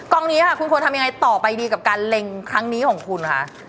นี้ค่ะคุณควรทำยังไงต่อไปดีกับการเล็งครั้งนี้ของคุณคะ